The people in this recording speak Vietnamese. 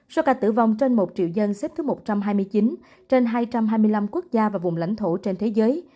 số ca tử vong trên một triệu dân xếp thứ một trăm hai mươi chín trên hai trăm hai mươi năm quốc gia và vùng lãnh thổ trên thế giới